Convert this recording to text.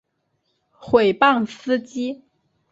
毁谤司机